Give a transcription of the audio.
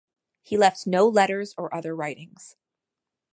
He left no letters or other writings.